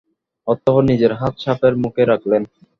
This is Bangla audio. অতঃপর নিজের হাত সাপের মুখে রাখলেন।